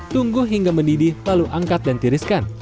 tunggu hingga mendidih lalu angkat dan tiriskan